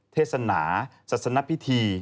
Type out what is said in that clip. เทศนาศาสนพิธี